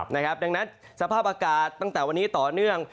ดังนั้นสภาพอากาศตั้งแต่วันนี้ต่อเนื่อง